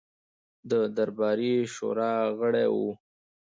د درباري شورا غړی وو.